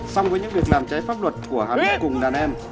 xong với những việc làm trái pháp luật của hắn cùng đàn em